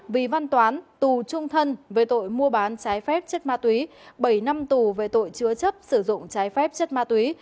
vì văn toán tù trung thân về tội mua bán trái phép chất ma túy bảy năm tù về tội chứa chấp sử dụng trái phép chất ma túy